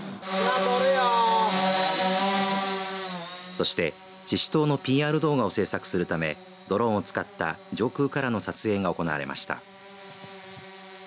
そして、ししとうのＰＲ動画を制作するためドローンを使った上空からの撮影が行われました。